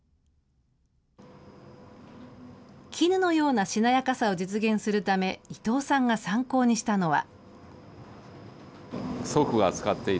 絹のようなしなやかさを実現するため、伊藤さんが参考にしたのは。